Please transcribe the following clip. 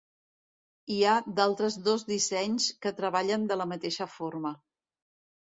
Hi ha d'altres dos dissenys que treballen de la mateixa forma.